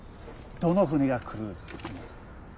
どの舟が来る？